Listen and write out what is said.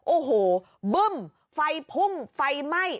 โอ้โหบึ้มไฟพุ่งไฟไหม้